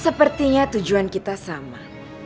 sepertinya tujuan kita sama